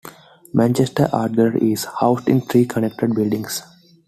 Manchester Art Gallery is housed in three connected buildings.